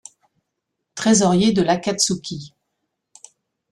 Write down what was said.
Trésorier de l'Akatsuki.